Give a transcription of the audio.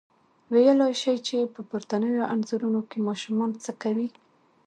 ویلای شئ چې په پورتنیو انځورونو کې ماشومان څه کوي؟